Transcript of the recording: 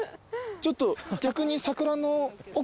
ちょっと逆に。